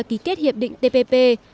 ký kết hiệp định tpp